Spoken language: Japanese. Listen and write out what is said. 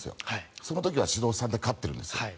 その時は指導３で勝ってるんですよ。